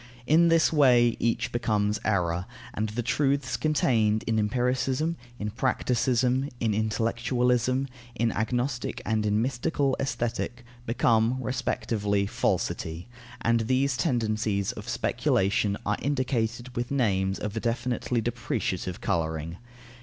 In this way, each becomes error, and the truths contained in empiricism, in practicism, in intellectualism, in agnostic and in mystical Aesthetic, become, respectively, falsity, and these tendencies of speculation are indicated with names of a definitely depreciative colouring.